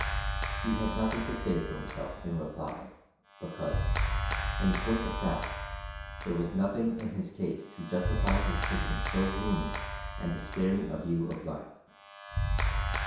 He had nothing to say for himself in reply, because, in point of fact, there was nothing in his case to justify his taking so gloomy and despairing a view of life.